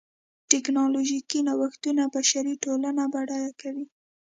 ټکنالوژیکي نوښتونه بشري ټولنې بډایه کوي.